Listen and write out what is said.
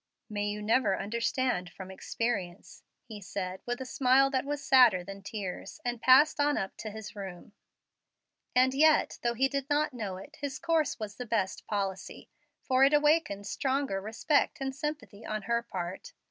"May you never understand from experience," he said with a smile that was sadder than tears, and passed on up to his room. And yet, though he did not know it, his course was the best policy, for it awakened stronger respect and sympathy on her part.